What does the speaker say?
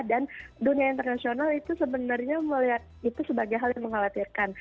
dan dunia internasional itu sebenarnya melihat itu sebagai hal yang mengkhawatirkan